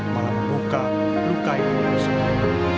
malah membuka luka itu semua